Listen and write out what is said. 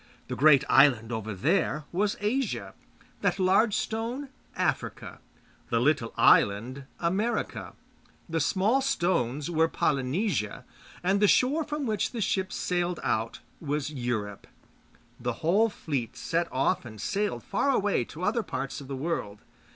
The great island over there was Asia; that large stone Africa; the little island America; the small stones were Polynesia; and the shore from which the ships sailed out was Europe. The whole fleet set off and sailed far away to other parts of the world.